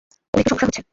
ওর একটু সমস্যা হচ্ছে।